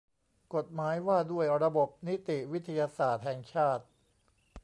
กฎหมายว่าด้วยระบบนิติวิทยาศาสตร์แห่งชาติ